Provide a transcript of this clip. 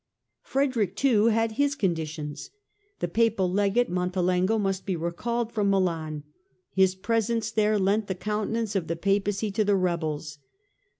Frederick, too, had his conditions. The Papal Legate, Montelengo, must be recalled from Milan ; his presence there lent the countenance of the Papacy to the rebels.